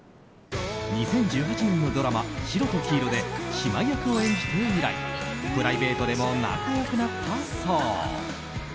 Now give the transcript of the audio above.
２０１８年のドラマ「しろときいろ」で姉妹役を演じて以来プライベートでも仲良くなったそう。